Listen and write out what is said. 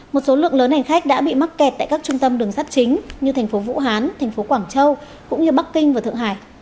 một số lượng lớn hành khách đã bị mắc kẹt tại các trung tâm đường sắt chính như thành phố vũ hán thành phố quảng châu cũng như bắc kinh và thượng hải